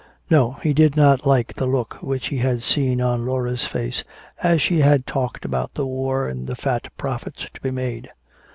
No, he did not like the look which he had seen on Laura's face as she had talked about the war and the fat profits to be made.